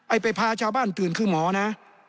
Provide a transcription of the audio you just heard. ไอ้ไปพาชาวบ้านตื่นขึ้นหมอนะ